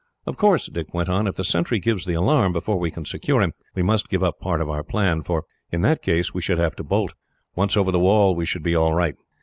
"Of course," Dick went on, "if the sentry gives the alarm, before we can secure him, we must give up part of our plan; for, in that case, we should have to bolt. Once over the wall, we should be all right.